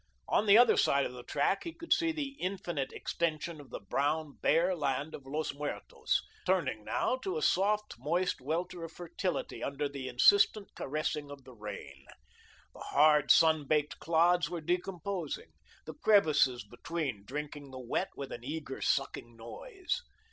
On the other side of the track he could see the infinite extension of the brown, bare land of Los Muertos, turning now to a soft, moist welter of fertility under the insistent caressing of the rain. The hard, sun baked clods were decomposing, the crevices between drinking the wet with an eager, sucking noise.